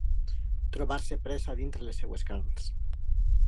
Trobar-se presa dintre les seves carns.